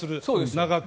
長く。